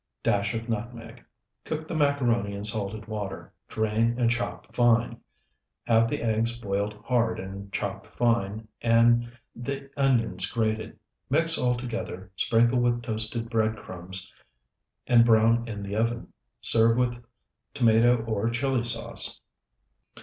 Dash of nutmeg. Cook the macaroni in salted water, drain, and chop fine; have the eggs boiled hard and chopped fine, and the onions grated. Mix all together, sprinkle with toasted bread crumbs, and brown in the oven. Serve with tomato or Chili sauce.